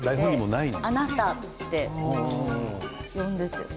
あなたって呼んでいて。